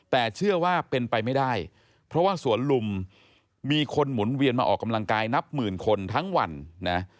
แต่เชื่อว่าเป็นไปไม่ได้เพราะว่าสวนลุมมีคนหมุนเวียนมาออกกำลังกายนับหมื่นคนทั้งวันนะ